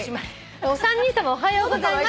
「お三人さまおはようございます」